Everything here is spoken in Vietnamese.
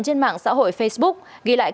trên mạng xã hội facebook ghi lại